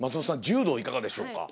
柔道いかがでしょうか？